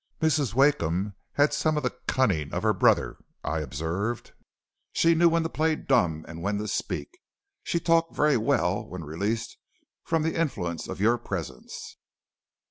"'Mrs. Wakeham had some of the cunning of her brother,' I observed. 'She knew when to play dumb and when to speak. She talked very well when released from the influence of your presence.'